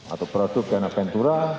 atau produk dana pentura